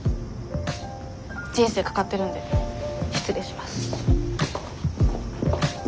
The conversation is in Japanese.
人生かかってるんで失礼します。